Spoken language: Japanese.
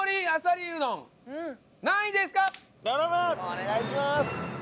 お願いします！